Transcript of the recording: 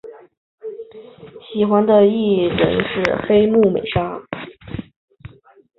喜欢的艺人是黑木美纱。